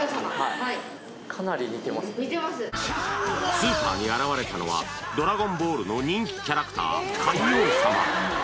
スーパーに現れたのは「ドラゴンボール」の人気キャラクター界王様